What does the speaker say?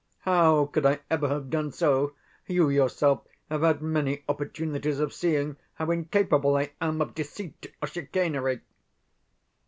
HOW could I ever have done so? You yourself have had many opportunities of seeing how incapable I am of deceit or chicanery.